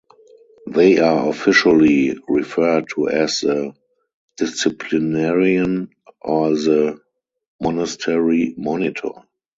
They are officially referred to as the disciplinarian or the monastery monitor.